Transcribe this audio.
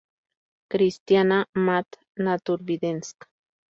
Christiana, Math.-Naturvidensk.